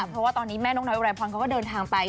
เพราะว่าตอนนี้แม่นกน้อยอุรายพรเขาก็เดินทางไป